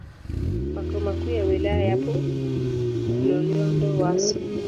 Makao Makuu ya Wilaya yapo Loliondo Wasso